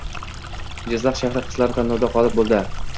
Jizzax shahri qizlari tanlovda g‘olib bo‘ldi